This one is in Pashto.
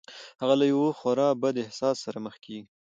هغه له يوه خورا بد احساس سره مخ کېږي.